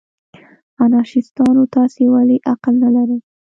انارشیستانو، تاسې ولې عقل نه لرئ؟